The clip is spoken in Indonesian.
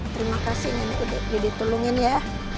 terima kasih nenek udah ditolongin ya